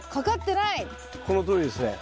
このとおりにですね